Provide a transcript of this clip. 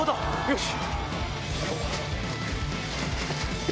よし！